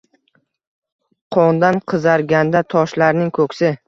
Qondan qizargandi toshlarning ko’ksi